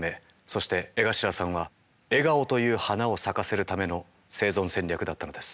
そして江頭さんは笑顔という花を咲かせるための生存戦略だったのです。